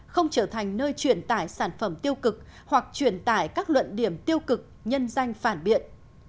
không trở thành nơi truyền tải sản phẩm tiêu cực hoặc truyền tải các luận điểm tiêu cực nhân danh phản biện